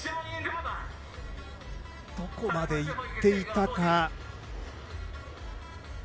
どこまで行っていたのか。